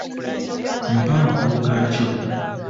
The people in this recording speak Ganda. Mpa amakulu gaakyo.